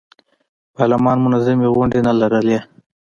پارلمان منظمې غونډې نه لرلې.